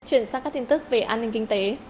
chuyển sang các tin tức về an ninh kinh tế